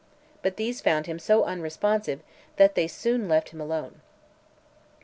But these found him so unresponsive that they soon left him alone.